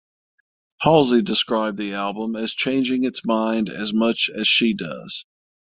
Halsey described the album as changing its mind as much as she does.